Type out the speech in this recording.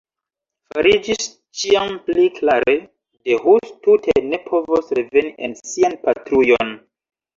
Fariĝis ĉiam pli klare, ke Hus tute ne povos reveni en sian patrujon.